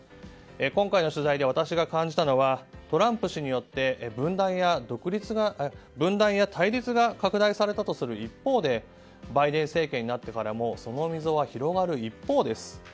今回の取材で私が感じたのはトランプ氏によって分断や対立が拡大されたとする一方でバイデン政権になってからもその溝は広がる一方です。